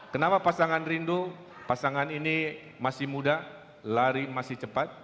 kenapa pasangan rindu pasangan ini masih muda lari masih cepat